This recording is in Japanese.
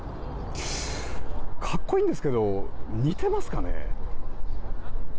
格好いいんですけど似てますかね？